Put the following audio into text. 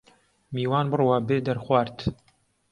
میوان بڕوا بێ دەرخوارد